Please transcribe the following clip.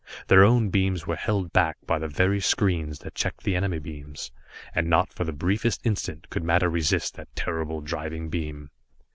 Their own beams were held back by the very screens that checked the enemy beams, and not for the briefest instant could matter resist that terrible driving beam.